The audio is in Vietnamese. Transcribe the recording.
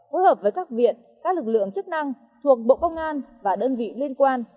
phối hợp với các viện các lực lượng chức năng thuộc bộ công an và đơn vị liên quan